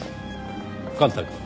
幹太くん